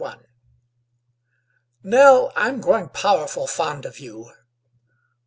"Nell, I'm growing powerful fond of you."